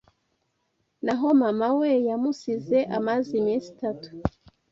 naho mama we yamusize amaze iminsi itatu